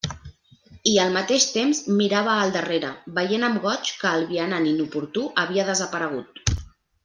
I al mateix temps mirava al darrere, veient amb goig que el vianant inoportú havia desaparegut.